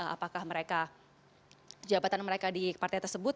apakah mereka jabatan mereka di partai tersebut